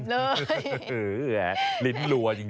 เพราะอะไรอะลิ้นลัวจริง